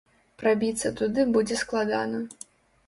Прабіцца туды будзе складана.